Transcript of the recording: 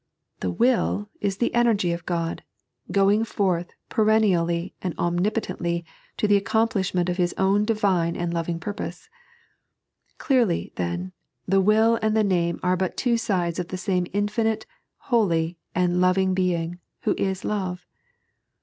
The ITtU is the energy of Ood, going forth peren nially and omnipotently to the accomplishment of His own Divine and loving purpose. Clearly, then, the will and the name are but two sides of the same infinite, holy, and loving Being, who is Love.